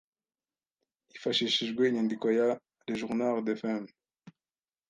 Hifashishijwe inyandiko ya “Le Journal de Femmes